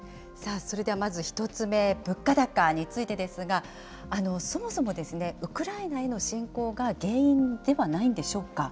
それではまず１つ目、物価高についてですが、そもそもですね、ウクライナへの侵攻が原因ではないんでしょうか。